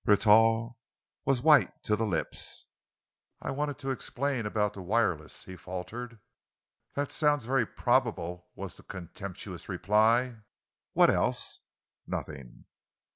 Rentoul was white to the lips. "I wanted to explain about the wireless," he faltered. "That sounds very probable," was the contemptuous reply. "What else?" "Nothing!"